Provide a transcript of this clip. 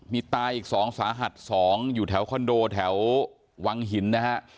มีตายอีก๒สาหัส๒อยู่แถวคอนโดแถววังหินนะฮะ